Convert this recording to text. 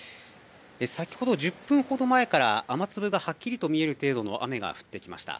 先ほど１０分ほど前から雨粒がはっきりと見える程度の雨が降ってきました。